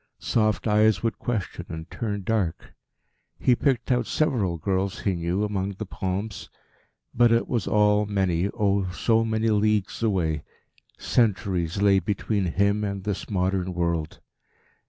Soft eyes would question and turn dark. He picked out several girls he knew among the palms. But it was all many, oh so many leagues away; centuries lay between him and this modern world.